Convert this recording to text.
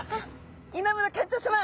稲村館長さま